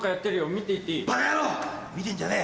見てんじゃねえ。